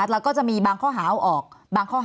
แล้วก็จะมีบางข้อหาเอาออก